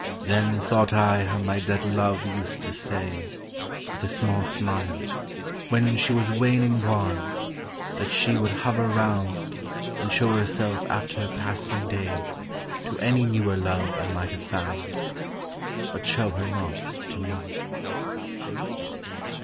Then thought I how my dead Love used to say, With a small smile, when she Was waning wan, that she would hover round And show herself after her passing day To any newer Love I might have found, But show her not to me.